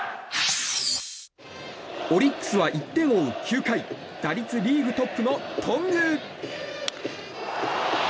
オリックスは１点を追う９回打率リーグトップの頓宮。